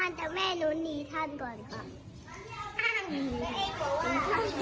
แต่ไม่เคยเจอนหนักรสงคล